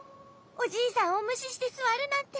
おじいさんをむししてすわるなんて。